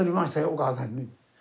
お母さんに。